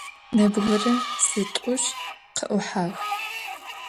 Nebgıre zıt'uş khı'uhağ.